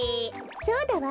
そうだわ！